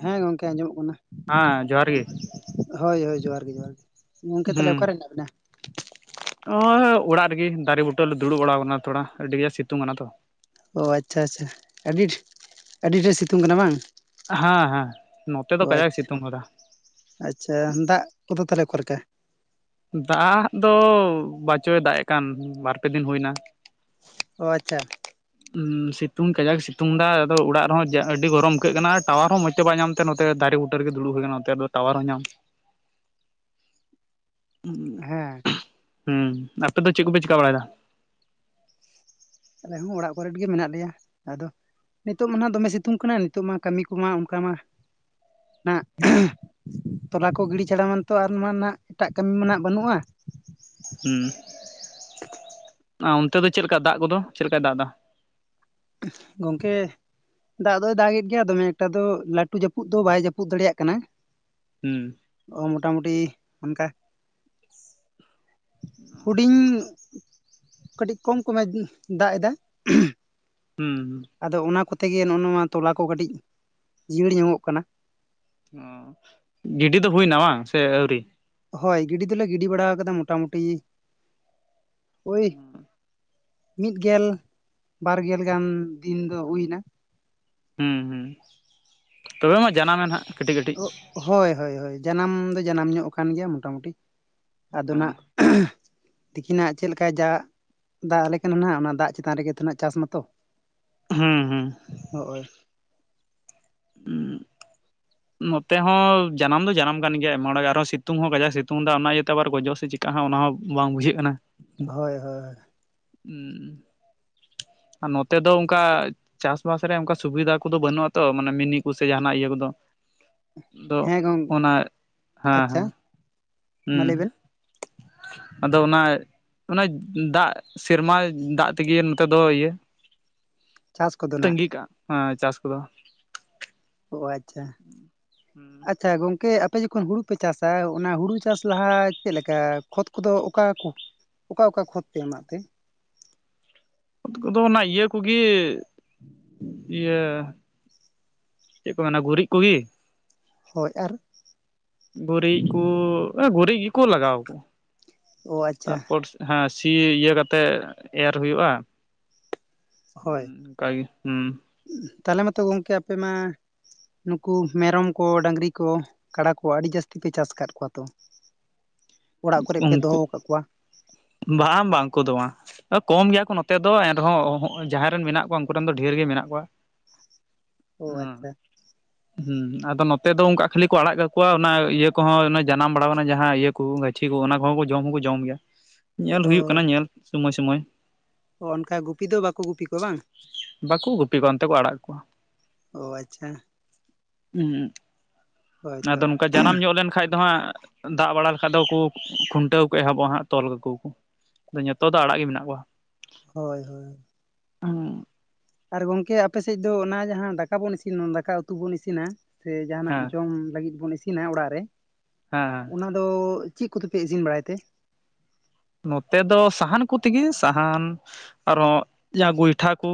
Hello, ᱦᱮᱸ ᱜᱚᱝᱠᱮ ᱟᱸᱡᱚᱢᱚᱜ ᱠᱟᱱᱟ᱾ ᱦᱮᱸ ᱡᱚᱦᱟᱨ ᱜᱮ᱾ ᱦᱳᱭ ᱦᱳᱭ ᱡᱚᱦᱟᱨ ᱜᱮ ᱡᱚᱦᱟᱨ ᱜᱮ, ᱜᱚᱝᱠᱮ ᱛᱟᱦᱚᱞᱮ ᱚᱠᱟᱨᱮ ᱦᱮᱱᱟᱜ ᱵᱤᱱᱟ? ᱱᱚᱜ-ᱚᱭ ᱚᱲᱟᱜ ᱨᱮᱜᱮ ᱫᱟᱨᱮ ᱵᱩᱴᱟᱹ ᱞᱮ ᱫᱩᱲᱩᱵ ᱵᱟᱲᱟᱣ ᱠᱟᱱᱟ ᱛᱷᱚᱲᱟ ᱟᱹᱰᱤᱜᱮ ᱥᱤᱛᱩᱝ ᱠᱟᱱᱟ ᱛᱚ᱾ ᱚ ᱟᱪᱪᱷᱟ ᱟᱪᱪᱷᱟ, ᱟᱹᱰᱤ ᱰᱷᱤ ᱟᱹᱰᱤ ᱰᱷᱤᱨ ᱥᱤᱛᱩᱝ ᱠᱟᱱᱟ ᱵᱟᱝ? ᱦᱮᱸ ᱦᱮᱸ ᱱᱚᱛᱮ ᱫᱚ ᱚ ᱠᱟᱡᱟᱠ ᱟᱪᱪᱷᱟ ᱥᱤᱛᱩᱝ ᱠᱟᱫᱟ᱾ ᱟᱪᱪᱷᱟ ᱫᱟᱜ ᱠᱚᱫᱚ ᱛᱟᱦᱚᱞᱮ ᱚᱠᱟ ᱞᱮᱠᱟ? ᱫᱟᱜ ᱫᱚ ᱵᱟᱪᱚᱭ ᱫᱟᱜ ᱮᱜ ᱠᱟᱱ ᱵᱟᱨᱯᱮ ᱫᱤᱱ ᱦᱩᱭᱱᱟ᱾ ᱚ ᱟᱪᱪᱷᱟ᱾ ᱥᱤᱛᱩᱝ ᱠᱟᱡᱟᱠ ᱥᱤᱛᱩᱝ ᱮᱫᱟ ᱟᱫᱚ ᱚᱲᱟᱜ ᱨᱮᱦᱚᱸ ᱟᱹᱰᱤ ᱜᱚᱨᱚᱢ ᱟᱹᱭᱠᱟᱹᱜ ᱠᱟᱱᱟ ᱟᱨ ᱴᱟᱣᱟᱨ ᱦᱚᱸ ᱢᱚᱡᱽ ᱛᱮ ᱵᱟᱭ ᱧᱟᱢ ᱛᱮ ᱱᱚᱛᱮ ᱫᱟᱨᱮ ᱵᱩᱴᱟᱹᱨᱮᱜᱮ ᱫᱩᱲᱩᱵ ᱦᱩᱭ ᱟᱠᱟᱱᱟ ᱱᱚᱛᱮ ᱫᱚ ᱴᱟᱣᱟᱨ ᱦᱚᱸᱭ ᱧᱟᱢ [inaudible] ᱦᱮᱸ ᱦᱩᱸ, ᱟᱯᱮ ᱫᱚ ᱪᱮᱫ ᱠᱚᱯᱮ ᱪᱤᱠᱟ ᱵᱟᱲᱟᱭᱫᱟ? ᱟᱞᱮ ᱦᱚᱸ ᱚᱲᱟᱜ ᱠᱚᱨᱮᱱ ᱜᱮ ᱢᱮᱱᱟᱜ ᱞᱮᱭᱟ ᱟᱫᱚ᱾ ᱱᱤᱛᱚᱜ ᱢᱟ ᱱᱟ ᱫᱚᱢᱮ ᱥᱤᱛᱩᱝ ᱠᱟᱱᱟ ᱱᱤᱛᱚᱜ ᱢᱟ ᱠᱟᱢᱤ ᱠᱚᱢᱟ ᱚᱱᱠᱟ ᱢᱟ ᱱᱟᱜ ᱛᱚᱞᱟ ᱠᱚ ᱜᱤᱰᱤ ᱪᱷᱟᱲᱟ ᱢᱟᱛᱚ ᱟᱨᱢᱟ ᱱᱟᱜ ᱮᱴᱟᱜ ᱠᱟᱢᱤ ᱢᱟ ᱱᱟᱜ ᱵᱟᱹᱱᱩᱜᱼᱟ᱾ ᱦᱮᱸ ᱟᱨ ᱚᱱᱛᱮ ᱫᱚ ᱪᱮᱫ ᱞᱮᱠᱟ ᱫᱟᱜ ᱠᱚᱫᱚ ᱪᱮᱫ ᱞᱮᱠᱟᱭ ᱫᱟᱜ ᱮᱫᱟ? ᱜᱚᱝᱠᱮ। ᱫᱟᱜ ᱫᱚᱭ ᱫᱟᱜ ᱮᱫ ᱜᱮᱭᱟ ᱫᱚᱢᱮ ᱮᱠᱴᱟ ᱫᱚ ᱞᱟᱹᱴᱩ ᱡᱟᱹᱯᱩᱫ ᱫᱚ ᱵᱟᱭ ᱡᱟᱹᱯᱩᱫ ᱫᱟᱲᱮᱭᱟᱜ ᱠᱟᱱᱟ। ᱦᱩᱸ। ᱚ ᱢᱚᱴᱟᱢᱩᱴᱤ ᱚᱱᱠᱟ ᱦᱩᱰᱤᱧ ᱠᱟᱹᱴᱤᱡ ᱠᱚᱢ ᱠᱚᱢᱮ ᱫᱟᱜ ᱮᱫᱟᱭ ᱾ ᱦᱩᱸ ᱦᱩ ᱟᱫᱚ ᱚᱱᱟ ᱠᱚᱛᱮ ᱜᱮ ᱱᱚᱜᱼᱚ ᱱᱚᱣᱟ ᱛᱚᱞᱟ ᱠᱚ ᱠᱟᱹᱴᱤᱡ ᱡᱤᱭᱟᱹᱲ ᱧᱚᱜᱚᱜ ᱠᱟᱱᱟ। ᱚ ᱜᱤᱰᱤ ᱫᱚ ᱦᱩᱭᱱᱟ ᱵᱟᱝ ᱥᱮ ᱟᱹᱣᱨᱤ? ᱦᱳᱭ ᱜᱤᱰᱤ ᱫᱚᱞᱮ ᱜᱤᱰᱤ ᱵᱟᱲᱟ ᱠᱟᱫᱟ ᱢᱳᱚᱴᱟᱢᱩᱴᱤ ᱳᱭ ᱢᱤᱫ ᱜᱮᱞ ᱵᱟᱨ ᱜᱮᱞ ᱜᱟᱱ ᱫᱤᱱ ᱫᱚ ᱦᱩᱭ ᱮᱱᱟ। ᱦᱩᱸ ᱦᱩᱸ ᱛᱚᱵᱮ ᱢᱟ ᱡᱟᱱᱟᱢᱮᱱ ᱦᱟᱸᱜ ᱠᱟᱹᱴᱤᱡ ᱠᱟᱹᱴᱤᱡ। ᱦᱳᱭ ᱦᱳᱭ ᱦᱳᱭ ᱡᱟᱱᱟᱢ ᱫᱚ ᱡᱟᱱᱟᱢ ᱧᱚᱜ ᱟᱠᱟᱱ ᱜᱮᱭᱟ ᱢᱚᱴᱟᱢᱩᱴᱤ ᱟᱫᱚ ᱚ ᱱᱟᱜ ᱛᱤᱠᱤᱱᱟᱜ ᱪᱮᱫ ᱞᱮᱠᱟ ᱡᱟ ᱫᱟᱜ ᱟᱞᱮ ᱠᱟᱱᱟ ᱱᱟᱦᱟᱜ ᱚᱱᱟ ᱫᱟᱜ ᱪᱮᱛᱟᱱ ᱨᱮᱜᱮ ᱛᱚ ᱪᱟᱥ ᱢᱟᱛᱚ ᱦᱩᱸ ᱦᱩᱸ ᱦᱳᱭ [inaudible] ᱱᱚᱛᱮ ᱦᱚᱸ ᱡᱟᱱᱟᱢ ᱫᱚ ᱡᱟᱱᱟᱢ ᱠᱟᱱ ᱜᱮᱭᱟ ᱟᱭᱢᱟ ᱦᱚᱲᱟᱜ ᱜᱮ ᱟᱨᱦᱚᱸ ᱥᱤᱛᱩᱝ ᱦᱚᱸ ᱠᱟᱡᱟᱠ ᱥᱤᱛᱩᱝ ᱫᱟ ᱚᱱᱟ ᱤᱭᱟᱹᱛᱮ ᱟᱵᱟᱨ ᱜᱚᱡᱚᱜ ᱥᱮ ᱪᱤᱼᱼ ᱠᱟᱜ ᱚᱱᱟ ᱦᱚᱸ ᱵᱟᱝ ᱵᱩᱡᱷᱟᱹᱜ ᱠᱟᱱᱟ। ᱦᱳᱭ ᱦᱳᱭ। ᱦᱩᱸ ᱟᱨ ᱱᱚᱛᱮ ᱫᱚ ᱚᱱᱠᱟ ᱪᱟᱥᱵᱟᱥ ᱨᱮ ᱚᱱᱠᱟ ᱥᱩᱵᱤᱫᱷᱟ ᱠᱚᱫᱚ ᱵᱟᱹᱱᱩᱜᱼᱟᱛᱚ ᱢᱟᱱᱮ ᱢᱤᱱᱤ ᱠᱚᱥᱮ ᱡᱟᱦᱟᱱᱟᱜ ᱤᱭᱟᱹ ᱠᱚᱫᱚ ᱟᱫᱚ ᱦᱮᱸ ᱜᱚᱝ ᱚᱱᱟ ᱦᱮᱸ ᱟᱪᱪᱷᱟ। ᱦᱮᱸ ᱢᱟ ᱞᱟᱹᱭ ᱦᱩᱸ ᱵᱮᱱ ᱟᱫᱚ ᱚᱱᱟ ᱚᱱᱟ ᱫᱟᱜ ᱥᱮᱨᱢᱟ ᱫᱟᱜ ᱛᱮᱜᱮ ᱱᱚᱛᱮ ᱫᱚ ᱤᱭᱟᱹ [inaudible] ᱱᱟᱜ ᱛᱟᱺᱜᱤ ᱠᱟᱜᱼᱟ ᱦᱮ ᱪᱟᱥ ᱠᱚᱫᱚ ᱚ ᱟᱪᱪᱷᱟ ᱦᱩᱸ ᱦᱩᱸ ᱟᱪᱪᱷᱟ ᱜᱚᱝᱠᱮ ᱟᱯᱮ ᱡᱚᱠᱷᱚᱱ ᱦᱩᱲᱩ ᱯᱮ ᱪᱟᱥᱟ ᱚᱱᱟ ᱦᱩᱲᱩ ᱪᱟᱥ ᱞᱟᱦᱟ ᱪᱮᱫ ᱞᱮᱠᱟ ᱠᱷᱚᱛ ᱠᱚᱫᱚ ᱚᱠᱟ ᱠᱚ ᱚᱠᱟ ᱚᱠᱟ ᱠᱷᱚᱛ ᱯᱮ ᱮᱢᱟᱜ ᱛᱮ? ᱚᱠᱟ ᱠᱚᱫᱚ ᱚᱱᱟ ᱤᱭᱟᱹ ᱠᱚᱜᱮ ᱤᱭᱟᱹ ᱪᱮᱫ ᱠᱚ ᱢᱮᱱᱟ ᱜᱩᱨᱤᱡ ᱠᱚᱜᱮ ᱦᱳᱭ ᱟᱨ ᱜᱩᱨᱤᱡ ᱠᱚ ᱜᱩᱨᱤᱡ ᱜᱮᱠᱚ ᱞᱟᱜᱟᱣ ᱠᱟᱫᱟ ᱚ ᱟᱪᱪᱷᱟ ᱛᱟᱨᱯᱚᱨ ᱦᱮᱸ ᱥᱤ ᱤᱭᱟᱹ ᱠᱟᱛᱮ ᱮᱨ ᱦᱩᱭᱩᱜᱼᱟ ᱦᱩᱸ ᱚᱱᱠᱟᱜᱮ ᱦᱩᱸ ᱛᱟᱞᱦᱮ ᱢᱟᱛᱚ ᱜᱚᱝᱠᱮ ᱟᱯᱮ ᱢᱟ ᱱᱩᱠᱩ ᱢᱮᱨᱚᱢ ᱠᱚ ᱰᱟᱹᱝᱨᱤ ᱠᱚ ᱠᱟᱰᱟ ᱠᱚ ᱟᱹᱰᱤ ᱡᱟᱹᱥᱛᱤ ᱯᱮ ᱪᱟᱥ ᱟᱠᱟᱫ ᱠᱚᱣᱟ ᱛᱚ [inaudible] ᱯᱮ ᱩᱱᱠᱩ ᱫᱚᱦᱚ ᱟᱠᱟᱫ ᱠᱚᱣᱟ ᱵᱟᱝ ᱵᱟᱝ ᱩᱱᱠᱩ ᱫᱚ ᱵᱟᱝ। ᱠᱚᱢ ᱜᱮᱭᱟ ᱠᱚ ᱱᱚᱛᱮ ᱫᱚ ᱮᱱᱨᱮᱦᱚᱸ ᱡᱟᱦᱟᱸᱭ ᱨᱮᱱ ᱢᱮᱱᱟᱜ ᱠᱚᱣᱟ ᱩᱱᱠᱩ ᱨᱮᱱ ᱫᱚ ᱰᱷᱮᱨ ᱜᱮ ᱢᱮᱱᱟᱜ ᱠᱚᱣᱟ। [inaudible] ᱩᱸ ᱦᱩᱸ ᱟᱫᱚ ᱱᱚᱛᱮ ᱫᱚ ᱚᱱᱠᱟ ᱠᱷᱟᱹᱞᱤ ᱠᱚ ᱟᱲᱟᱜ ᱠᱟᱠᱚᱣᱟ ᱚᱱᱟ ᱤᱭᱟᱹ ᱠᱚᱦᱚᱸ ᱡᱟᱱᱟᱢ ᱵᱟᱲᱟᱣ ᱠᱟᱱᱟ ᱡᱟᱦᱟᱸ ᱤᱭᱟᱹ ᱠᱚ ᱜᱟᱼᱼ ᱪᱷᱤ ᱠᱚ ᱚᱱᱟ ᱠᱚᱦᱚᱸ ᱡᱚᱢ ᱦᱚᱸᱠᱚ ᱡᱚᱢ ᱜᱮᱭᱟ ᱧᱮᱞ ᱦᱩᱭᱩᱜ ᱠᱟᱱᱟ ᱧᱮᱞ ᱥᱚᱢᱚᱭ ᱥᱚᱢᱚᱭ ᱚ ᱚᱱᱠᱟ ᱜᱩᱯᱤ ᱫᱚ ᱵᱟᱠᱚ ᱜᱩᱯᱤ ᱠᱚᱣᱟ ᱵᱟᱝ ᱵᱟᱠᱚ ᱜᱩᱯᱤ ᱠᱚᱣᱟ ᱚᱱᱛᱮ ᱠᱚ ᱟᱲᱟᱜ ᱠᱚᱣᱟ। ᱚ ᱟᱪᱪᱷᱟ। ᱦᱩᱸ ᱦᱳᱭᱛᱚ ᱟᱫᱚ ᱱᱚᱝᱠᱟ ᱡᱟᱱᱟᱢ ᱧᱚᱜ ᱞᱮᱱᱠᱷᱟᱡ ᱫᱚ ᱦᱟᱸᱜ ᱫᱟᱜ ᱵᱟᱲᱟ ᱞᱮᱠᱷᱟᱡ ᱫᱚᱠᱩ ᱠᱷᱩᱱᱴᱟᱹᱣ ᱠᱚ ᱮᱦᱚᱵᱚᱜᱼᱟ ᱦᱟᱸᱜ ᱛᱚᱞ ᱠᱟᱹᱠᱩᱣ ᱟᱠᱚ᱾ ᱧᱚᱛᱚ ᱫᱚ ᱟᱲᱟᱜ ᱜᱮ ᱢᱮᱱᱟᱜ ᱠᱚᱣᱟ᱾ ᱦᱳᱭ ᱦᱳᱭ᱾ ᱩᱸ᱾ ᱟᱨ ᱜᱚᱝᱠᱮ ᱟᱯᱮ ᱥᱮᱡ ᱫᱚ ᱚᱱᱟ ᱡᱟᱦᱟᱸ ᱫᱟᱠᱟ ᱵᱚᱱ ᱤᱥᱤᱱ ᱩᱱ ᱫᱟᱠᱟ ᱩᱛᱩ ᱵᱚᱱ ᱤᱥᱤᱱᱟ᱾ ᱥᱮ ᱡᱟᱦᱟᱱᱟᱜ ᱡᱚᱢ ᱞᱟᱹᱜᱤᱫ ᱵᱚᱱ ᱤᱥᱤᱱᱟ ᱚᱲᱟᱜ ᱨᱮ᱾ ᱦᱮᱸ ᱦᱮᱸ᱾ ᱚᱱᱟ ᱫᱚ ᱪᱤᱜ ᱠᱚᱛᱮᱯᱮ ᱤᱥᱤᱱ ᱵᱟᱲᱟᱭ ᱛᱮ? ᱱᱚᱛᱮ ᱫᱚ ᱥᱟᱦᱟᱱ ᱠᱩᱛᱤᱜᱤ᱾ ᱥᱟᱦᱟᱱ ᱟᱨᱦᱚᱸ ᱡᱟᱦᱟᱸ ᱜᱚᱭᱴᱷᱟ ᱠᱚ᱾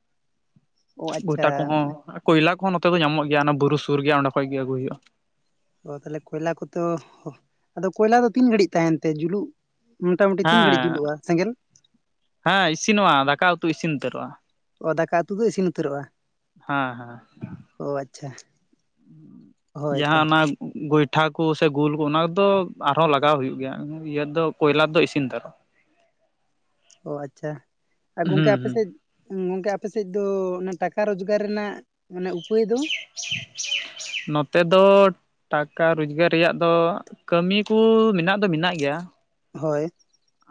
[inaudible] ᱜᱚᱭᱴᱟ ᱠᱚᱦᱚᱸ, ᱠᱚᱭᱞᱟ ᱠᱚᱦᱚᱸ ᱱᱚᱛᱮ ᱫᱚ ᱧᱟᱢᱚᱜ ᱜᱮᱭᱟ ᱚᱱᱟ ᱵᱩᱨᱩ ᱥᱩᱨ ᱜᱮᱭᱟ ᱚᱸᱰᱮ ᱠᱷᱚᱡ ᱜᱮ ᱟᱹᱜᱩᱭ ᱦᱩᱭᱩᱜᱼᱟ ᱾ ᱚ ᱛᱟᱦᱞᱮ ᱠᱚᱭᱞᱟ ᱠᱚᱛᱚ ᱟᱫᱚ ᱠᱚᱭᱞᱟ ᱫᱚ ᱛᱤᱱ ᱜᱷᱟᱹᱲᱤᱡ ᱛᱟᱦᱮᱱ ᱛᱮ ᱡᱩᱞᱩᱜ᱾ ᱢᱚᱴᱟᱢᱩᱴᱤ ᱛᱤᱱ ᱜᱷᱟᱹᱲᱤᱡ ᱦᱮᱸ ᱡᱩᱞᱩᱜᱼᱟ ᱥᱮᱸᱜᱮᱞ? ᱦᱮᱸ ᱤᱥᱤᱱᱚᱜᱼᱟ, ᱫᱟᱠᱟ ᱩᱛᱩ ᱤᱥᱤᱱ ᱩᱛᱟᱹᱨᱚᱜᱼᱟ᱾ ᱚ ᱫᱟᱠᱟ ᱩᱛᱩ ᱫᱚ ᱤᱥᱤᱱ ᱩᱛᱟᱹᱨᱚᱜᱼᱟ᱾ ᱦᱮᱸ ᱦᱮᱸ᱾ ᱚ ᱟᱪᱪᱷᱟ᱾ ᱦᱳᱭ ᱛᱚ ᱡᱟᱦᱟᱸ ᱚᱱᱟ ᱜᱚᱭᱴᱷᱟ ᱠᱚ ᱥᱮ ᱜᱳᱞ ᱠᱚ ᱚᱱᱟ ᱠᱚᱫᱚ ᱟᱨᱦᱚᱸ ᱞᱟᱜᱟᱣ ᱦᱩᱭᱩᱜ ᱜᱮᱭᱟ᱾ ᱤᱭᱟᱹ ᱫᱚ ᱠᱚᱭᱞᱟ ᱫᱚ ᱤᱥᱤᱱ ᱩᱛᱟᱹᱨᱚ-ᱟ᱾ ᱚ ᱟᱪᱪᱷᱟ ᱟᱨ ᱜᱚᱝᱠᱮ ᱦᱩᱸ ᱟᱯᱮ ᱦᱩᱸ ᱥᱮᱡ ᱜᱚᱝᱠᱮ ᱟᱯᱮ ᱥᱮᱡ ᱫᱚ ᱚᱱᱟ ᱴᱟᱠᱟ ᱨᱳᱡᱽᱜᱟᱨ ᱨᱮᱱᱟᱜ ᱢᱟᱱᱮ ᱩᱯᱟᱹᱭ ᱫᱚ ᱱᱚᱛᱮ ᱫᱚ ᱴᱟᱠᱟ ᱨᱳᱡᱽᱜᱟᱨ ᱨᱮᱭᱟᱜ ᱫᱚ ᱠᱟᱹᱢᱤ ᱠᱩ ᱢᱤᱱᱟᱜ ᱫᱚ ᱢᱤᱱᱟᱜ ᱜᱮᱭᱟ᱾ ᱦᱳᱭ᱾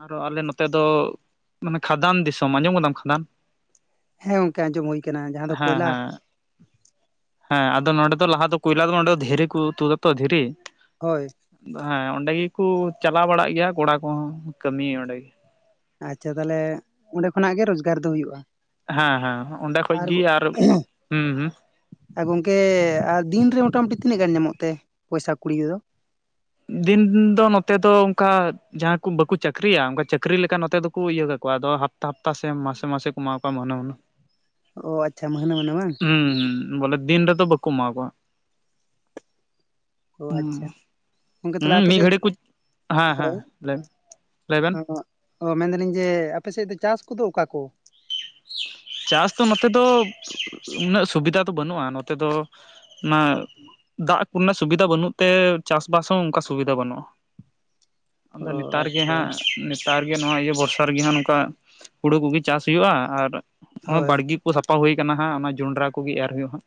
ᱟᱨᱚ ᱟᱞᱮ ᱱᱚᱛᱮ ᱫᱚ ᱢᱟᱱᱮ ᱠᱷᱟᱫᱟᱱ ᱫᱤᱥᱚᱢ᱾ ᱟᱸᱡᱚᱢ ᱠᱟᱫᱟᱢ ᱠᱷᱟᱫᱟᱱ? ᱦᱮᱸ ᱜᱚᱝᱠᱮ ᱟᱸᱡᱚᱢ ᱦᱩᱭ ᱠᱟᱱᱟ ᱡᱟᱦᱟᱸ ᱫᱚ ᱦᱮᱸ ᱠᱚᱭᱞᱟ ᱦᱮᱸ ᱦᱮᱸ ᱟᱫᱚ ᱱᱚᱸᱰᱮ ᱫᱚ ᱞᱟᱦᱟ ᱫᱚ ᱠᱚᱭᱞᱟ ᱫᱚ ᱵᱟᱝ ᱱᱚᱰᱮ ᱫᱚ ᱫᱷᱤᱨᱤ ᱠᱩ ᱛᱩᱫ ᱟᱛᱚ ᱫᱷᱤᱨᱤ᱾ ᱦᱳᱭ᱾ ᱟᱫ ᱦᱮᱸ ᱚᱸᱰᱮ ᱜᱮᱠᱩ ᱪᱟᱞᱟᱣ ᱵᱟᱲᱟᱜ ᱜᱮᱭᱟ ᱠᱚᱲᱟ ᱠᱚᱦᱚᱸ ᱠᱟᱹᱢᱤ ᱚᱸᱰᱮ ᱜᱮ᱾ ᱟᱪᱪᱷᱟ ᱛᱟᱦᱞᱮ ᱚᱸᱰᱮ ᱠᱷᱚᱱᱟᱜ ᱜᱮ ᱨᱚᱡᱽᱜᱟᱨ ᱫᱚ ᱦᱩᱭᱩᱜᱼᱟ? ᱦᱮᱸ ᱦᱮᱸ ᱚᱦᱚᱸᱜ᱾ [unintelligible] ᱟᱨ ᱜᱚᱝᱠᱮ ᱟᱨ ᱫᱤᱱᱨᱮ ᱢᱚᱴᱟᱢᱩᱴᱤ ᱛᱤᱱᱟᱹᱜ ᱜᱟᱱ ᱧᱟᱢᱚᱜ ᱛᱮ ᱯᱚᱭᱥᱟ ᱠᱩᱲᱤ ᱠᱚᱫᱚ? ᱫᱤᱱ ᱫᱚ ᱱᱚᱛᱮ ᱫᱚ ᱚᱝᱠᱟ ᱡᱟᱦᱟᱸ ᱠᱚ ᱵᱟᱹᱠᱩ ᱪᱟᱹᱠᱷᱨᱤᱭᱟ ᱚᱱᱠᱟ ᱪᱟᱹᱠᱷᱨᱤ ᱞᱮᱠᱟ ᱱᱚᱛᱮ ᱫᱚᱠᱚ ᱤᱭᱟᱹ ᱠᱟᱠᱚᱣᱟ ᱟᱫᱚ ᱦᱟᱯ ᱛᱟ ᱦᱟᱯᱛᱟ ᱥᱮ ᱢᱟᱥᱮ ᱢᱟᱥᱮ ᱠᱚ ᱮᱢᱟᱣ ᱠᱚᱣᱟ [unintelligible] ᱚ ᱟᱪᱪᱷᱟ ᱢᱟᱹᱦᱟᱹᱱᱟᱹ ᱢᱟᱱᱮ ᱵᱟᱝ? ᱦᱩᱸ ᱦᱩᱸ ᱵᱚᱞᱮ ᱫᱤᱱ ᱨᱮᱫᱚ ᱵᱟᱹᱠᱩ ᱮᱢᱟ ᱟᱠᱚᱣᱟ ᱾ ᱚ ᱟᱪᱪᱷᱟ᱾ ᱦᱩᱸ ᱜᱚᱢᱠᱮ ᱛᱟᱦᱚᱞᱮ ᱟᱯᱮ ᱢᱤᱫ ᱥᱮᱡ ᱜᱷᱟᱹᱲᱤᱡ ᱠᱚ ᱦᱮᱸ ᱦᱳᱭ ᱦᱮᱸ ᱞᱟᱹᱭ ᱞᱟᱹᱭ ᱵᱮᱱ ᱦᱚᱸ ᱱᱚᱣᱟ ᱚ ᱢᱮᱱ ᱫᱟᱹᱞᱤᱧ ᱡᱮ ᱟᱯᱮ ᱥᱮᱫ ᱫᱚ ᱪᱟᱥ ᱠᱚᱫᱚ ᱚᱠᱟ ᱠᱚ? ᱪᱟᱥ ᱫᱚ ᱱᱚᱛᱮ ᱫᱚ ᱩᱱᱟᱹᱜ ᱥᱩᱵᱤᱫᱟ ᱫᱚ ᱵᱟᱹᱱᱩᱜᱼᱟ ᱱᱚᱛᱮ ᱫᱚ ᱚᱱᱟ ᱫᱟᱜ ᱠᱚᱨᱮᱱᱟᱜ ᱥᱩᱵᱤᱫᱟ ᱵᱟᱹᱱᱩᱜ ᱛᱮ ᱪᱟᱥᱵᱟᱥ ᱦᱚᱸ ᱚᱱᱠᱟ ᱥᱩᱵᱤᱫᱟ ᱵᱟᱹᱱᱩᱜᱼᱟ᱾ [inaudible] ᱟᱫᱚ ᱱᱮᱛᱟᱨ ᱜᱮ ᱟᱪᱪᱷᱟ ᱦᱟᱸᱜ, ᱱᱮᱛᱟᱨ ᱜᱮ ᱱᱚᱣᱟ ᱤᱭᱟᱹ ᱵᱚᱨᱥᱟ ᱨᱮᱜᱮ ᱦᱟᱸᱜ ᱱᱚᱝᱠᱟ ᱦᱩᱲᱩ ᱠᱚᱜᱮ ᱪᱟᱥ ᱦᱩᱭᱩᱜᱼᱟ᱾ ᱟᱨ ᱟᱸ ᱦᱳᱭ ᱵᱟᱲᱜᱤ ᱠᱚ ᱥᱟᱯᱟ ᱦᱳᱭ ᱠᱟᱱᱟ ᱦᱟᱸᱜ ᱚᱱᱟ ᱡᱚᱸᱰᱨᱟ ᱠᱚᱜᱤ ᱮᱨ ᱦᱳᱭᱳᱜᱼᱟ ᱦᱟᱸᱜ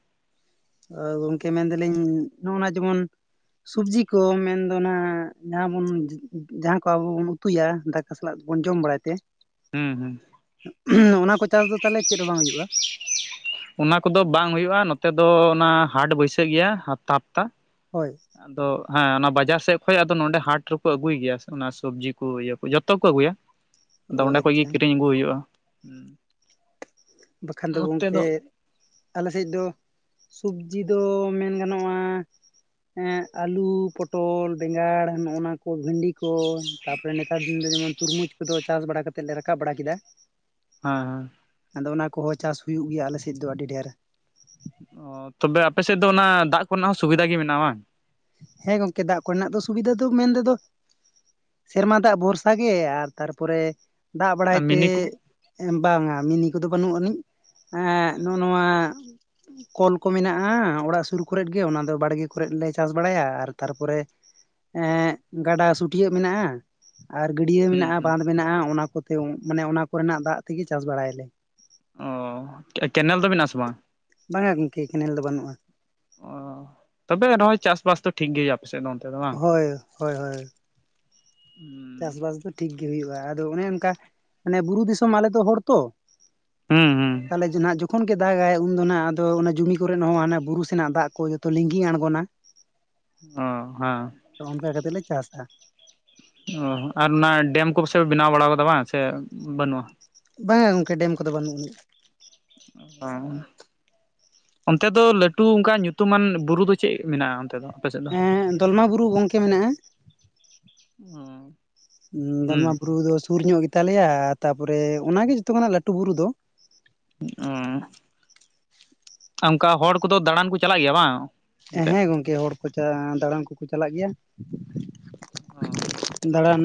ᱜᱚᱝᱠᱮ ᱢᱮᱱᱫᱟᱹᱞᱤᱧ ᱱᱚᱜᱼ ᱱᱟ ᱡᱮᱢᱚᱱᱼᱼ ᱥᱩᱵᱡᱤ ᱠᱚ ᱢᱮᱱ ᱫᱚ ᱱᱟ ᱡᱟᱦᱟᱸ ᱵᱚᱱ ᱡᱟᱦᱟᱸ ᱠᱚ ᱟᱵᱚ ᱵᱚᱱ ᱩᱛᱩᱭᱟ ᱫᱟ [unintelligible] ᱥᱟᱞᱟᱜ ᱠᱚ ᱵᱚᱱ ᱡᱚᱢ ᱵᱟᱲᱟᱭ ᱛᱮᱼᱼ ᱦᱩᱸ ᱦᱩᱸ [unintelligible] ᱚᱱᱟ ᱠᱚ ᱪᱟᱥ ᱫᱚ ᱛᱟᱦᱚᱞᱮ ᱪᱮᱫ ᱦᱚᱸ ᱵᱟᱝ ᱦᱩᱭᱩᱜᱼᱟ? ᱚᱱᱟ ᱠᱚᱫᱚ ᱵᱟᱝ ᱦᱩᱭᱩᱜᱼᱟ ᱱᱚᱛᱮ ᱫᱚ ᱚᱱᱟ ᱦᱟᱴ ᱵᱟᱹᱭᱥᱟᱹᱜ ᱜᱮᱭᱟ ᱦᱟᱯᱛᱟ ᱦᱟᱯᱛᱟᱼᱼ ᱦᱳᱭ ᱟᱫᱚ ᱦᱮᱸ ᱚᱱᱟ ᱵᱟᱡᱟᱨ ᱥᱮᱫ ᱠᱷᱚᱡ ᱟᱫᱚ ᱱᱚᱰᱮ ᱦᱟᱴ ᱨᱮᱠᱚ ᱟᱹᱜᱩᱭ ᱜᱮᱭᱟ ᱚᱱᱟ ᱥᱚᱵᱽᱡᱤ ᱠᱚ ᱤᱭᱟᱹ ᱠᱚ ᱡᱚᱛᱚ ᱜᱮᱠᱚ ᱟᱹᱜᱩᱭᱟ [inaudible] ᱟᱫᱚ ᱚᱱᱰᱮ ᱠᱷᱚᱡ ᱜᱮ ᱟᱪᱪᱷᱟ ᱠᱤᱨᱤᱧ ᱟᱹᱜᱩ ᱦᱩᱭᱩᱜᱼᱟ ᱦᱮᱸ ᱵᱟᱠᱷᱟᱱ ᱫᱚ ᱜᱚᱝᱠᱮᱼᱼ ᱟᱞᱮ ᱥᱮᱫ ᱫᱚ ᱥᱚᱵᱡᱤ ᱫᱚ ᱢᱮᱱ ᱜᱟᱱᱚᱜᱼᱟ ᱦᱮᱸ ᱟᱹᱞᱩ, ᱯᱚᱴᱚᱞ, ᱵᱮᱸᱜᱟᱲ ᱱᱚᱜ ᱱᱟ ᱠᱚᱼᱼ ᱠᱚ ᱵᱷᱤᱱᱰᱤ ᱠᱚ ᱛᱟᱯᱚᱨᱮ ᱱᱮᱛᱟᱨ ᱫᱤᱱ ᱫᱚ ᱡᱮᱢᱚᱱ ᱛᱩᱨᱢᱩᱡᱽ ᱠᱚᱫᱚ ᱪᱟᱥ ᱵᱟᱲᱟ ᱠᱟᱛᱮᱫ ᱞᱮ ᱨᱟᱠᱟᱵ ᱵᱟᱲᱟ ᱠᱮᱫᱟ ᱦᱮᱸ ᱦᱮᱸ ᱟᱫᱚ ᱚᱱᱟ ᱠᱚᱦᱚᱸ ᱪᱟᱥ ᱦᱩᱭᱩᱜ ᱜᱮᱭᱟ ᱟᱞᱮ ᱥᱮᱫ ᱫᱚ ᱟᱹᱰᱤ ᱰᱷᱮᱨ ᱚᱻ ᱛᱚᱵᱮ ᱟᱯᱮ ᱥᱮᱫ ᱫᱚ ᱚᱱᱟ ᱫᱟᱜ ᱠᱚ ᱨᱮᱱᱟᱜ ᱦᱚᱸ ᱥᱩᱵᱤᱫᱷᱟ ᱜᱮ ᱢᱮᱱᱟᱜᱼᱟ ᱵᱟᱝ? ᱦᱮᱸ ᱜᱚᱢᱠᱮ ᱫᱟᱜ ᱠᱚ ᱨᱮᱱᱟᱜ ᱫᱚ ᱥᱩᱵᱤᱫᱷᱟ ᱫᱚ ᱢᱮᱱ ᱛᱮᱫᱚᱼᱼ ᱥᱮᱨᱢᱟ ᱫᱟᱜ ᱵᱷᱚᱨᱥᱟ ᱜᱮ ᱟᱨ ᱛᱟᱨᱯᱚᱨᱮᱼᱼ ᱫᱟᱜ ᱵᱟᱲᱟᱭ ᱵᱟᱝ ᱛᱮ ᱢᱤᱱᱤ ᱠᱚ ᱵᱟᱝᱟ ᱢᱤᱱᱤ ᱠᱚᱫᱚ ᱵᱟᱹᱱᱩᱜ ᱟᱹᱱᱤᱡᱼᱼ ᱮᱸ ᱱᱚᱜ ᱱᱚᱣᱟᱼᱼ ᱠᱚᱞ ᱠᱚ ᱢᱮᱱᱟᱜᱼᱟ ᱚᱲᱟᱜ ᱥᱩᱨ ᱠᱚᱨᱮ ᱜᱮ ᱚᱱᱟ ᱫᱚ ᱵᱟᱲᱜᱮ ᱠᱚᱨᱮ ᱞᱮ ᱪᱟᱥ ᱵᱟᱲᱟᱭᱟ ᱟᱨ ᱛᱟᱨᱯᱚᱨᱮ ᱮᱸ ᱜᱟᱰᱟ ᱥᱩᱴᱭᱟᱹᱜ ᱢᱮᱱᱟᱜᱼᱟ ᱟᱨ ᱜᱟᱹᱰᱭᱟᱹ ᱦᱩᱸ ᱢᱮᱱᱟᱜᱼᱟ, ᱦᱩᱸ ᱵᱟᱸᱫᱷ ᱢᱮᱱᱟᱜᱼᱟ ᱚᱱᱟ ᱠᱚᱛᱮ ᱢᱟᱱᱮ ᱚᱱᱟ ᱠᱚᱨᱮᱱᱟᱜ ᱫᱟᱜ ᱛᱮᱜᱮ ᱪᱟᱥ ᱵᱟᱲᱟᱭ-ᱟᱞᱮ ᱚᱻ ᱠᱮᱱᱮᱞ ᱫᱚ ᱢᱮᱱᱟᱜ ᱟᱥᱮ ᱵᱟᱝ? ᱵᱟᱝᱟ ᱜᱚᱝᱠᱮ ᱠᱮᱱᱮᱞ ᱫᱚ ᱵᱟᱹᱱᱩᱜᱼᱟ ᱚᱻ ᱛᱚᱵᱮ ᱱᱚᱜᱼᱚᱭ ᱪᱟᱥ ᱵᱟᱥ ᱫᱚ ᱴᱷᱤᱠ ᱜᱮᱭᱟ ᱟᱯᱮ ᱥᱮᱫ ᱫᱚ ᱚᱱᱛᱮ ᱫᱚ ᱵᱟᱝ? ᱦᱳᱭ ᱦᱳᱭ ᱦᱳᱭ ᱪᱟᱥ ᱵᱟᱥ ᱫᱚ ᱴᱷᱤᱠ ᱜᱮ ᱦᱩᱭᱩᱜ ᱟᱫᱚ ᱚᱱᱮ ᱚᱱᱠᱟ ᱢᱟᱱᱮ ᱵᱩᱨᱩ ᱫᱤᱥᱚᱢ ᱟᱞᱮ ᱫᱚ ᱦᱚᱲ ᱛᱚ ᱦᱩᱸ ᱦᱩᱸ ᱛᱟᱞᱦᱮ [unintelligible] ᱡᱚᱠᱷᱚᱱ ᱜᱮ ᱫᱟᱜᱟᱭ ᱩᱱᱫᱚ ᱱᱟᱜ ᱟᱫᱚ ᱚᱱᱟ ᱡᱚᱢᱤ ᱠᱚᱨᱮ ᱦᱚᱸ ᱦᱟᱱᱟ ᱵᱩᱨᱩ ᱥᱮᱱᱟᱜ ᱫᱟᱜ ᱠᱚ ᱡᱚᱛᱚ ᱞᱤᱸᱜᱤ ᱟᱬᱜᱚᱱᱟ ᱚ ᱦᱮᱸ ᱛᱚ ᱚᱱᱠᱟ ᱠᱟᱛᱮᱜ ᱞᱮ ᱪᱟᱥᱟ ᱚᱻ ᱟᱨ ᱚᱱᱟ ᱰᱮᱢ ᱠᱚ ᱯᱟᱥᱮᱡ ᱯᱮ ᱵᱮᱱᱟᱣ ᱵᱟᱲᱟ ᱟᱠᱟᱫᱟ ᱵᱟᱝ ᱥᱮ ᱵᱟᱹᱱᱩᱜᱼᱟ? ᱵᱟᱝ-ᱟ ᱜᱚᱝᱠᱮ ᱰᱮᱢ ᱠᱚᱫᱚ ᱵᱟᱹᱱᱩᱜ ᱟᱹᱱᱤᱡ ᱚᱻ ᱚᱱᱛᱮ ᱫᱚ ᱞᱟᱹᱴᱩ ᱚᱱᱠᱟ ᱧᱩᱛᱩᱢᱟᱱ ᱵᱩᱨᱩ ᱫᱚ ᱪᱮᱫ ᱢᱮᱱᱟᱜᱼᱟ ᱚᱱᱛᱮ ᱫᱚ? ᱥᱮᱫ ᱫᱚ ᱦᱮᱸ ᱫᱚᱞᱢᱟ ᱵᱩᱨᱩ ᱜᱚᱝᱠᱮ ᱢᱮᱱᱟᱜᱼᱟ [unintelligible] ᱦᱩᱸ ᱫᱚᱞᱢᱟ ᱵᱩᱨᱩ ᱫᱚ ᱥᱩᱨ ᱧᱚᱜ ᱜᱮᱛᱟ ᱞᱮᱭᱟ ᱛᱟᱯᱚᱨᱮ ᱚᱱᱟ ᱜᱮ ᱡᱚᱛᱚ ᱠᱷᱚᱱᱟᱜ ᱞᱟᱹᱴᱩ ᱵᱩᱨᱩ ᱫᱚᱼᱼ ᱚᱸᱻ ᱚᱱᱠᱟ ᱦᱚᱲ ᱠᱚᱫᱚ ᱫᱟᱬᱟᱱ ᱠᱚ ᱪᱟᱞᱟᱜ ᱜᱮᱭᱟ ᱵᱟᱝ ᱚᱱᱛᱮ ᱦᱮᱸ ᱜᱚᱝᱠᱮ ᱦᱚᱲ ᱠᱚᱪᱟ ᱫᱟᱬᱟᱱ ᱠᱚᱠᱚ ᱪᱟᱞᱟᱜ ᱜᱮᱭᱟ [unintelligible] ᱫᱟᱬᱟᱱ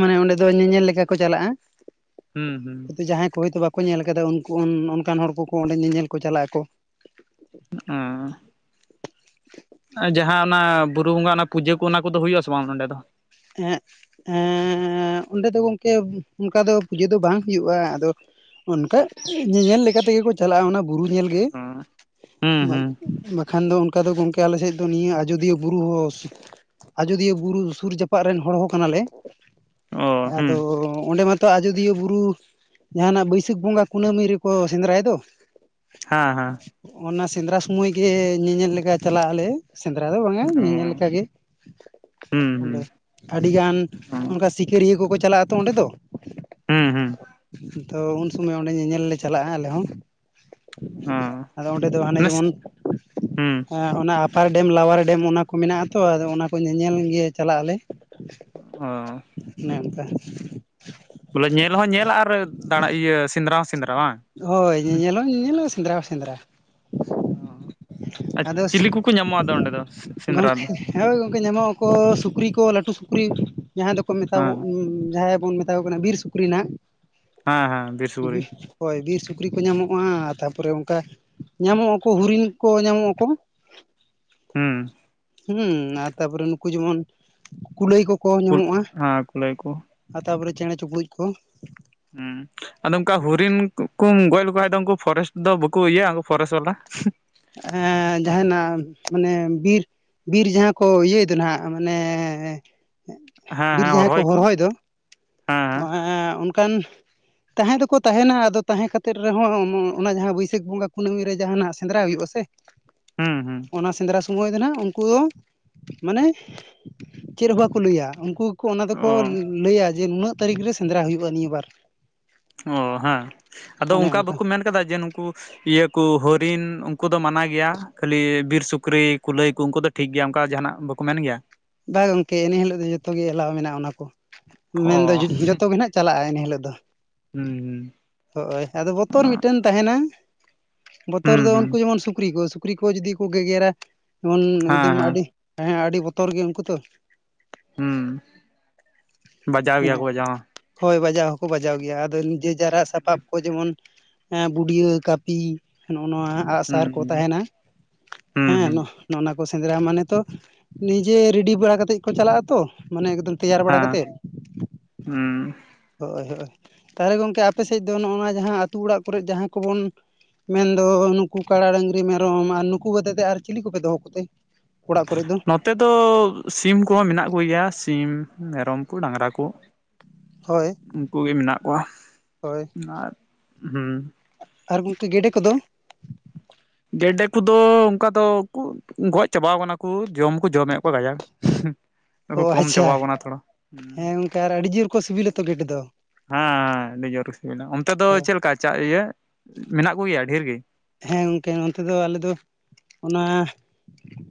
ᱢᱟᱱᱮ ᱚᱸᱰᱮ ᱫᱚ ᱧᱮᱧᱮᱞ ᱞᱮᱠᱟ ᱠᱚ ᱪᱟᱞᱟᱜᱼᱟ ᱦᱩᱸ ᱦᱩᱸ ᱦᱚᱭᱛᱚ ᱡᱟᱦᱟᱸᱭ ᱠᱚ ᱦᱚᱭᱛᱳ ᱵᱟᱠᱚ ᱧᱮᱞ ᱟᱠᱟᱫᱟ ᱩᱱᱠᱩ ᱚᱱᱠᱟᱱ ᱦᱚᱲ ᱠᱚᱠᱚ ᱚᱸᱰᱮ ᱧᱮᱧᱮᱞ ᱠᱚ ᱪᱟᱞᱟᱜ ᱟᱠᱚ। ᱮᱸ [unintelligible] ᱟ ᱡᱟᱦᱟᱸ ᱚᱱᱟ ᱵᱩᱨᱩ ᱵᱚᱸᱜᱟ ᱚᱱᱟ ᱯᱩᱡᱟᱹ ᱠᱚ ᱚᱱᱟ ᱠᱚᱫᱚ ᱦᱩᱭᱩᱜ ᱟᱥᱮ ᱵᱟᱝ ᱱᱚᱸᱰᱮ ᱫᱚ? ᱮᱸᱦᱮᱸᱜ ᱮᱸᱻ ᱚᱸᱰᱮ ᱫᱚ ᱜᱚᱝᱠᱮ ᱚᱱᱠᱟ ᱫᱚ ᱯᱩᱡᱟᱹ ᱫᱚ ᱵᱟᱝ ᱦᱩᱭᱩᱜᱼᱟ ᱟᱫᱚ ᱚᱱᱠᱟ ᱧᱮᱧᱮᱞ ᱞᱮᱠᱟ ᱛᱮᱜᱮ ᱠᱚ ᱪᱟᱞᱟᱜᱼᱟ ᱚᱱᱟ ᱵᱩᱨᱩ ᱧᱮᱞ ᱜᱮ ᱚ ᱦᱩᱸ ᱦᱩᱸ [unintelligible] ᱵᱟᱠᱷᱟᱱ ᱫᱚ ᱚᱱᱠᱟ ᱫᱚ ᱜᱚᱝᱠᱮ ᱟᱞᱮ ᱥᱮᱡ ᱫᱚ ᱱᱤᱭᱟᱹ ᱟᱡᱚᱫᱤᱭᱟᱹ ᱵᱩᱨᱩ ᱟᱡᱚᱫᱤᱭᱟᱹ ᱵᱩᱨᱩ ᱥᱩᱨ ᱡᱟᱯᱼᱼ ᱯᱟᱜ ᱨᱮᱱ ᱦᱚᱲ ᱦᱚᱸ ᱠᱟᱱᱟ ᱞᱮ ᱚ ᱦᱩᱸ ᱟᱫᱚ ᱚᱸᱰᱮ ᱢᱟᱛᱼᱼ ᱛᱚ ᱟᱡᱚᱫᱤᱭᱟᱹ ᱵᱩᱨᱩ ᱡᱟᱦᱟᱸ ᱚᱱᱟ ᱵᱟᱹᱭᱥᱟᱹᱠᱷ ᱵᱚᱸᱜᱟ ᱠᱩᱱᱟᱹᱢᱤ ᱨᱮᱠᱚ ᱥᱮᱸᱫᱽᱨᱟᱭ ᱫᱚ, ᱦᱟᱸ ᱦᱟᱸ᱾ ᱦᱚᱸᱜ-ᱚᱱᱟ ᱥᱮᱸᱫᱽᱨᱟ ᱥᱚᱢᱚᱭ ᱜᱮ ᱧᱮᱧᱮᱞ ᱞᱮᱠᱟ ᱪᱟᱞᱟᱜ ᱟᱞᱮ ᱾ ᱥᱮᱸᱫᱽᱨᱟ ᱫᱚ ᱵᱟᱝᱟ ᱧᱮᱧᱮᱞ ᱞᱮᱠᱟ ᱜᱮ ᱚᱸᱰᱮ᱾ ᱟᱰᱤ ᱜᱟᱱ ᱦᱩᱸ ᱚᱱᱠᱟ ᱥᱤᱠᱟᱹᱨᱤᱭᱟᱹ ᱠᱚᱠᱚ ᱪᱟᱞᱟᱜ-ᱟ ᱛᱚ ᱚᱸᱰᱮ ᱫᱚ᱾ ᱦᱩᱸ ᱦᱩᱸ ᱛᱚ ᱩᱱ ᱥᱚᱢᱟᱹᱭ ᱚᱸᱰᱮ ᱧᱮᱧᱮᱞ ᱞᱮ ᱪᱟᱞᱟᱜ-ᱟ ᱟᱞᱮ ᱦᱚᱸ᱾ ᱚ ᱟᱫᱚ ᱚᱸᱰᱮ ᱫᱚ ᱦᱟᱱᱮ ᱱᱟᱥᱮ ᱡᱮᱢᱚᱱᱼᱼ ᱦᱩᱸ ᱮᱸ ᱚᱱᱟ ᱟᱯᱟᱨ ᱰᱮᱢ ᱞᱟᱣᱟᱨ ᱰᱮᱢ ᱚᱱᱟ ᱠᱚ ᱢᱮᱱᱟᱜ-ᱟ ᱛᱚ ᱟᱫᱚ ᱚᱱᱟ ᱠᱚ ᱧᱮᱧᱮᱞ ᱜᱮ ᱪᱟᱞᱟᱜ ᱟᱞᱮ᱾ ᱚᱱᱮ ᱚᱱᱠᱟ ᱚᱻᱵᱚᱞᱮ ᱧᱮᱞ ᱦᱚᱸ ᱧᱮᱞ ᱟᱨᱼᱼ ᱫᱟᱲᱟ ᱤᱭᱟᱹ ᱥᱮᱸᱫᱽᱨᱟ ᱦᱚᱸ ᱥᱮᱸᱫᱽᱨᱟ ᱵᱟᱝ᱾ ᱦᱚᱭ ᱧᱮᱧᱮᱞ ᱦᱚᱸ ᱧᱮᱧᱮᱞ ᱥᱮᱸᱫᱽᱨᱟ ᱦᱚᱸ ᱥᱮᱸᱫᱽᱨᱟ᱾ ᱚᱸᱻ ᱟᱨ ᱟᱫᱚ ᱪᱤᱞᱤ ᱠᱩᱠᱩ ᱧᱟᱢᱚᱜ-ᱟ ᱟᱫᱚ ᱚᱸᱰᱮ ᱫᱚ ᱥᱮᱸᱫᱽᱨᱟ ᱨᱮ ᱜᱚᱝᱠᱮ ᱫᱚ? ᱦᱳᱭ ᱜᱚᱝᱠᱮ ᱧᱟᱢᱚᱜ ᱟᱠᱚ ᱥᱩᱠᱨᱤ ᱠᱚ ᱞᱟᱹᱴᱩ ᱥᱩᱠᱨᱤ ᱡᱟᱦᱟᱸᱭ ᱫᱚᱠᱚ ᱢᱮᱛᱟ ᱠᱚ ᱦᱮᱸ ᱩᱸᱻ ᱡᱟᱦᱟᱸᱭ ᱵᱚᱱ ᱢᱮᱛᱼᱼ ᱢᱮᱛᱟ ᱠᱚ ᱠᱟᱱᱟ ᱵᱤᱨ ᱥᱩᱠᱨᱤ ᱱᱟᱦᱟᱸᱜ᱾ ᱦᱮᱸ ᱦᱮᱸ ᱵᱤᱨᱥᱼᱼ ᱵᱤᱼᱼ ᱦᱳᱭ ᱵᱤᱨ ᱥᱩᱠᱨᱤ ᱠᱚ ᱧᱟᱢᱚᱜ-ᱟ ᱛᱟᱯᱚᱨᱮ ᱚᱱᱠᱟ ᱧᱟᱢᱚᱜ ᱟᱠᱚ ᱦᱚᱨᱤᱱ ᱠᱚ ᱧᱟᱢᱚᱜ ᱟᱠᱚ᱾ ᱦᱩᱸ᱾ ᱦᱩᱸ ᱟᱨ ᱛᱟᱨᱯᱚᱨᱮ ᱱᱩᱠᱩ ᱡᱮᱢᱚᱱ ᱠᱩᱞᱟᱹᱭ ᱠᱚᱠᱚ ᱠᱩᱞ ᱧᱟᱢᱚᱜ-ᱟ ᱦᱮᱸ ᱠᱩᱞᱟᱹᱭ ᱠᱚ ᱾ ᱟᱨ ᱛᱟᱨᱯᱚᱨᱮ ᱪᱮᱸᱬᱮ ᱪᱩᱯᱲᱩᱡ ᱠᱚ᱾ ᱦᱩᱸ ᱟᱫᱚ ᱚᱱᱠᱟ ᱦᱚᱨᱤᱱ ᱠᱩᱢ ᱜᱚᱡ ᱞᱮᱠᱚ ᱠᱷᱟᱡ ᱫᱚ ᱩᱱᱠᱩ ᱯᱷᱚᱨᱮᱥᱴᱼᱼ ᱫᱚ ᱵᱟᱹᱩᱠ ᱤᱭᱟᱹᱜ-ᱟ ᱯᱷᱚᱨᱮᱥ ᱵᱟᱞᱟ᱾ ᱦᱮᱸ ᱡᱟᱦᱟᱸᱭ ᱱᱟᱜᱼᱼ ᱢᱟᱱᱮ ᱵᱤᱨ ᱵᱤᱨ ᱡᱟᱦᱟᱸ ᱠᱚ ᱤᱭᱟᱹᱭ ᱫᱚ ᱱᱟᱦᱟᱸᱜ ᱢᱟᱱᱮᱼᱼ ᱮᱸᱜ ᱵᱤᱨ ᱡᱟᱦᱟᱸᱭ ᱠᱚ ᱦᱚᱨᱦᱚᱭ ᱫᱚ ᱚ ᱦᱮᱸ ᱚᱱᱠᱟᱱᱼᱼ ᱛᱟᱦᱮᱸ ᱫᱚᱠᱚ ᱛᱟᱦᱮᱱᱟ ᱟᱫᱚ ᱛᱟᱦᱮᱸ ᱠᱟᱛᱮᱫ ᱨᱮᱦᱚᱸ ᱚᱱᱟ ᱡᱟᱦᱟᱸ ᱵᱟᱹᱭᱥᱟᱹᱠ ᱵᱚᱸᱜᱟ ᱠᱩᱱᱟᱹᱢᱤ ᱨᱮ ᱡᱟᱦᱟᱸᱱᱟᱜ ᱥᱮᱸᱫᱽᱨᱟ ᱦᱩᱭᱩᱜ-ᱟ ᱥᱮᱼᱼ ᱦᱩᱸ ᱦᱩᱸ ᱚᱱᱟ ᱥᱮᱸᱫᱽᱨᱟ ᱥᱩᱼᱼ ᱥᱩᱢᱟᱹᱭ ᱫᱚ ᱱᱟᱦᱟᱸᱜ ᱩᱱᱠᱩ ᱫᱚ ᱢᱟᱱᱮ ᱪᱮᱫ ᱦᱚᱸ ᱵᱟᱠᱚ ᱞᱟᱹᱭᱟ ᱩᱱᱠᱩᱼᱼ ᱠᱩ ᱚᱱᱟ ᱫᱚᱠᱚ ᱞᱟᱹ ᱚ ᱞᱟᱹᱭᱟ ᱡᱮ ᱱᱩᱱᱟᱹᱜ ᱛᱟᱹᱨᱤᱠᱷ ᱨᱮ ᱥᱮᱸᱫᱽᱨᱟ ᱦᱩᱭᱩᱜ-ᱟ ᱱᱤᱭᱟᱹ ᱵᱟᱨ᱾ ᱚ ᱦᱮᱸ ᱟᱫᱚ ᱚᱱᱠᱟ ᱵᱟᱹᱠᱩ ᱢᱮᱱ ᱠᱟᱫᱟ ᱡᱮ ᱱᱩᱠᱩᱼᱼ ᱤᱭᱟᱹ ᱠᱚ ᱦᱚᱨᱤᱱ ᱩᱱᱠᱩ ᱫᱚ ᱢᱟᱱᱟ ᱜᱮᱭᱟ ᱠᱷᱟᱹᱞᱤ ᱵᱤᱨ ᱥᱩᱠᱨᱤ ᱠᱩᱞᱟᱹᱭ ᱠᱩ ᱩᱱᱠᱩ ᱫᱚᱼᱼ ᱴᱷᱤᱠ ᱜᱮᱭᱟ ᱚᱱᱠᱟ ᱡᱟᱦᱟᱸᱱᱟᱜ ᱵᱟᱠᱚ ᱢᱮᱱ ᱜᱮᱭᱟ᱾ ᱵᱟ ᱜᱚᱝᱠᱮ ᱤᱱᱟᱹ ᱦᱤᱞᱳᱜ ᱫᱚ ᱡᱚᱛᱚ ᱜᱮ ᱮᱞᱟᱣ ᱢᱮᱱᱟᱜ-ᱟ ᱚᱱᱟ ᱠᱚ ᱢᱮᱱᱫᱚ ᱚ ᱡᱚ ᱡᱚᱛᱚ ᱜᱮ ᱱᱟᱦᱟᱸᱜᱼᱼ ᱪᱟᱞᱟᱜ-ᱟ ᱤᱱᱟᱹ ᱦᱤᱞᱳᱜ ᱫᱚ᱾ ᱦᱩᱸ ᱦᱩᱸ᱾ ᱦᱚᱜ-ᱳᱭ ᱟᱫᱚ ᱵᱚᱛᱚᱨ ᱢᱤᱫᱴᱮᱱ ᱛᱟᱦᱮᱸᱱᱟ ᱵᱚᱛᱚᱨ ᱦᱩᱸ ᱫᱚ ᱦᱩᱸ ᱩᱱᱠᱩ ᱡᱮᱢᱚᱱ ᱥᱩᱠᱨᱤ ᱥᱩ ᱠᱨᱤ ᱠᱚ ᱡᱩᱫᱤ ᱠᱚ ᱜᱮᱜᱮᱨᱟ ᱡᱮᱢᱚᱱ ᱩᱱ ᱦᱮᱸ ᱮᱠᱫᱚᱢ ᱦᱮᱸ ᱟᱰᱤ ᱦᱮᱸ ᱟᱰᱤ ᱵᱚᱛᱚᱨ ᱜᱮ ᱩᱱᱠᱩ ᱛᱚ᱾ ᱦᱩᱸ ᱵᱟᱡᱟᱣ ᱜᱮᱭᱟ ᱠᱚ ᱢᱟᱱᱮ ᱵᱟᱡᱟᱣ ᱦᱚᱸ᱾ ᱦᱳᱭ ᱵᱟᱡᱟᱣ ᱦᱚᱸᱠᱚ ᱵᱟᱡᱟᱣ ᱜᱮᱭᱟ ᱟᱫᱚ ᱱᱤᱡᱮ ᱡᱟᱨᱟᱜ ᱥᱟᱯᱟᱵ ᱠᱚ ᱡᱮᱢᱚᱱ ᱦᱮᱸ ᱵᱩᱰᱭᱟᱹ ᱠᱟᱹᱯᱤ ᱱᱚᱜ ᱱᱚᱣᱟ ᱟᱸᱜᱼᱥᱟᱨ ᱠᱚ ᱦᱚᱸ ᱛᱟᱦᱮᱸᱱᱟ ᱦᱩᱸ ᱦᱩᱸ ᱦᱮᱸ ᱦᱩᱸ ᱱᱚ ᱱᱚᱜᱼᱱᱟ ᱠᱚ ᱥᱮᱸᱫᱽᱨᱟ ᱢᱟᱱᱮ ᱛᱚ ᱱᱤᱡᱮ ᱨᱮᱰᱤ ᱵᱟᱲᱟ ᱠᱟᱛᱮᱜ ᱠᱚ ᱪᱟᱞᱟᱜᱼᱟ ᱛᱚ, ᱢᱟᱱᱮ ᱮᱠᱫᱚᱢ ᱛᱮᱭᱟᱨ ᱵᱟᱲᱟ ᱦᱮᱸ ᱠᱟᱛᱮᱜ᱾ ᱦᱩᱸ᱾ ᱦᱳᱭ ᱦᱳᱭ ᱛᱟᱦᱚᱞᱮ ᱜᱚᱝᱠᱮ ᱟᱯᱮ ᱥᱮᱡ ᱫᱚ ᱱᱚᱜ-ᱱᱚᱣᱟ ᱡᱟᱦᱟᱸ ᱟᱛᱩ ᱚᱲᱟᱜ ᱠᱚᱨᱮᱜ ᱡᱟᱦᱟᱸ ᱠᱚᱵᱚᱱ ᱢᱮᱱ ᱫᱚ ᱱᱩᱠᱩ ᱠᱟᱲᱟ ᱰᱟᱹᱝᱨᱤ ᱢᱮᱨᱚᱢ ᱟᱨ ᱱᱩᱠᱩ ᱵᱟᱫᱮ ᱛᱮ ᱟᱨ ᱪᱤᱞᱤ ᱠᱚᱯᱮ ᱫᱚᱦᱚ ᱠᱚᱛᱮ ᱚᱲᱟᱜ ᱠᱚᱨᱮ ᱫᱚ? ᱱᱚᱛᱮ ᱫᱚ ᱥᱤᱢ ᱠᱚᱦᱚᱸ ᱢᱮᱱᱟᱜ ᱠᱩ ᱜᱮᱭᱟ ᱥᱤᱢ ᱢᱮᱨᱚᱢ ᱠᱩ ᱰᱟᱝᱨᱟ ᱠᱩ ᱦᱳᱭ ᱩᱝᱠᱩ ᱜᱮ ᱢᱮᱱᱟᱜ ᱠᱚᱣᱟ ᱦᱳᱭ ᱟᱨ ᱦᱩᱸ᱾ ᱟᱨ ᱜᱚᱝᱠᱮ ᱜᱮᱰᱮ ᱠᱚᱫᱚ? ᱜᱮᱰᱮ ᱠᱚᱫᱚ ᱚᱝᱠᱟ ᱫᱚ ᱩᱠᱩᱨ ᱜᱚᱡ ᱪᱟᱵᱟᱣ ᱠᱟᱱᱟ ᱠᱩ ᱡᱚᱢ ᱠᱚ ᱡᱚᱢᱮᱫ ᱠᱚᱣᱟ ᱠᱟᱡᱟᱠ᱾ ᱠᱚ ᱚ ᱠᱚᱢ ᱟᱪᱪᱷᱟ ᱪᱟᱵᱟᱣ ᱠᱟᱱᱟ ᱛᱷᱚᱲᱟ᱾ ᱦᱮᱸ ᱜᱚᱝᱠᱮ ᱟᱨ ᱟᱰᱤ ᱡᱳᱨ ᱠᱚ ᱥᱤᱵᱤᱞᱟᱛᱚ ᱜᱮᱰᱮ ᱫᱚ? ᱦᱮᱸ ᱟᱰᱤ ᱡᱳᱨ ᱥᱤᱵᱤᱞᱟ ᱚᱱᱛᱮ ᱫᱚ ᱪᱮᱫ ᱞᱮᱠᱟ ᱪᱟ ᱤᱭᱟᱹ ᱢᱮᱱᱟᱜ ᱠᱚᱜᱮᱭᱟ ᱰᱷᱮᱨ ᱜᱤ? ᱦᱮᱸ ᱜᱚᱝᱠᱮ ᱱᱚᱱᱛᱮ ᱫᱚ ᱟᱞᱮ ᱫᱚ ᱚᱱᱟ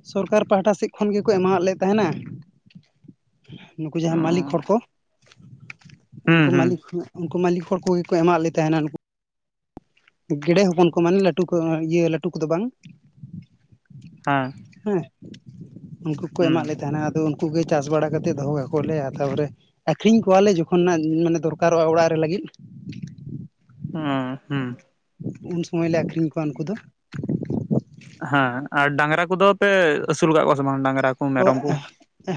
ᱥᱚᱨᱠᱟᱨ ᱯᱟᱦᱟᱴᱟ ᱥᱮᱫ ᱠᱷᱚᱱ ᱜᱮᱠᱚ ᱮᱢᱟᱣᱟᱫ ᱞᱮ ᱛᱟᱦᱮᱸᱱᱟ, ᱱᱩᱠᱩ ᱚ ᱡᱟᱦᱟᱸ ᱢᱟᱞᱤᱠ ᱦᱚᱲ ᱠᱚᱼᱼ ᱦᱩᱸ ᱩᱱᱠᱩ ᱦᱩᱸ ᱢᱟᱞᱤᱠ ᱩᱱᱠᱩ ᱢᱟᱞᱤᱠ ᱦᱚᱲ ᱠᱚᱜᱮ ᱠᱚ ᱮᱢᱟᱜ ᱞᱮ ᱛᱟᱦᱮᱸᱱᱟ ᱱᱩᱠᱩ ᱜᱮᱰᱮ ᱦᱚᱯᱚᱱ ᱠᱚ ᱢᱟᱱᱮ ᱞᱟᱹᱴᱩ ᱠᱚ ᱤᱭᱟᱹ ᱞᱟᱴᱩ ᱠᱚᱫᱚ ᱵᱟᱝ᱾ ᱦᱮᱸ ᱦᱮᱸ ᱩᱱᱠᱩ ᱠᱚ ᱦᱩᱸ ᱮᱢᱟᱜ ᱞᱮ ᱛᱟᱦᱮᱸᱱᱟ ᱟᱫᱚ ᱩᱸᱱ ᱠᱩ ᱜᱮ ᱪᱟᱥ ᱵᱟᱲᱟ ᱠᱟᱛᱮᱫ ᱫᱚᱦᱚ ᱠᱟᱠᱚᱣᱟᱞᱮ, ᱛᱟᱨ ᱯᱚᱨᱮ ᱟᱠᱷᱨᱤᱧ ᱠᱚᱣᱟᱞᱮ ᱡᱚᱠᱷᱚᱱ ᱱᱟᱜ ᱢᱟᱱᱮ ᱫᱚᱨᱠᱟᱨᱚᱜᱼᱟ ᱚᱲᱟᱜ ᱨᱮ ᱞᱟᱜᱤᱫ, ᱚ ᱦᱩᱸ᱾ ᱩᱱ ᱥᱩᱢᱚᱭ ᱞᱮ ᱟᱠᱷᱨᱤᱧ ᱠᱚᱣᱟ ᱩᱱᱠᱩ ᱫᱚ᱾ ᱦᱮᱸ ᱟᱨ ᱰᱟᱝᱨᱟ ᱠᱚᱫᱚ ᱯᱮ ᱟᱹᱥᱩᱞ ᱠᱟᱜ ᱠᱚᱣᱟ ᱥᱮ ᱵᱟᱝ? ᱰᱟᱝᱨᱟ ᱠᱚ ᱠᱚᱣᱟᱜ ᱢᱮᱨᱚᱢ ᱠᱚ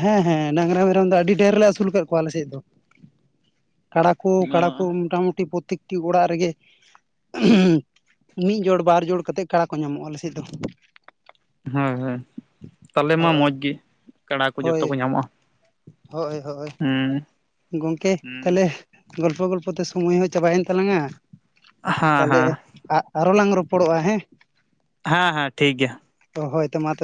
ᱦᱮᱸ ᱦᱮᱸ ᱰᱟᱝᱨᱟ ᱢᱮᱨᱚᱢ ᱫᱚ ᱟᱹᱰᱤ ᱰᱷᱮᱨ ᱞᱮ ᱟᱥᱩᱞ ᱠᱟᱜ ᱠᱚᱣᱟ ᱟᱞᱮ ᱥᱮᱫ ᱫᱚ᱾ ᱠᱟᱲᱟ ᱠᱤ ᱚ ᱠᱟᱲᱟ ᱠᱩ ᱢᱳᱴᱟᱼᱢᱩᱴᱤ ᱯᱨᱚᱛᱛᱮᱠᱴᱤ ᱚᱲᱟᱜ ᱨᱮᱜᱮ ᱢᱤᱫ ᱡᱚᱲ ᱵᱟᱨ ᱡᱚᱲ ᱠᱟᱛᱮᱫ ᱠᱟᱲᱟ ᱠᱚ ᱧᱟᱢᱚᱜᱼᱟ ᱟᱞᱮ ᱥᱮᱫ ᱫᱚ᱾ ᱦᱳᱭ ᱦᱳᱭ ᱛᱟᱦᱞᱮ ᱢᱟ ᱦᱳᱭ ᱢᱚᱸᱡ ᱜᱤ᱾ ᱦᱳᱭ ᱦᱳᱭ ᱦᱳᱭ ᱦᱩᱸ ᱜᱚᱝᱠᱮ ᱦᱮᱸ ᱛᱟᱦᱞᱮ ᱜᱚᱞᱯᱚ ᱜᱚᱞᱯᱚ ᱛᱮ ᱥᱚᱢᱚᱭ ᱦᱚᱸ ᱪᱟᱵᱟᱭᱮᱱ ᱛᱟᱞᱟᱝᱟ ᱦᱮᱸ ᱛᱟᱦᱞᱮ ᱟᱜ ᱟᱨᱚ ᱞᱟᱝ ᱨᱚᱯᱚᱲᱚᱜᱼᱟ ᱦᱮᱸ᱾ ᱦᱟᱸ ᱦᱟᱸ ᱴᱷᱤᱠ ᱜᱮᱭᱟ᱾ ᱛᱚ ᱦᱳᱭ ᱛᱚ ᱢᱟ ᱛᱚ